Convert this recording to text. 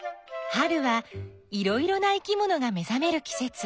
春はいろいろな生きものが目ざめるきせつ。